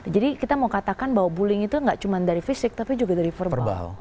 jadi kita mau katakan bahwa bullying itu nggak cuma dari fisik tapi juga dari verbal